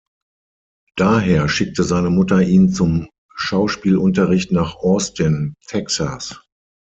Daher schickte seine Mutter ihn zum Schauspielunterricht nach Austin, Texas.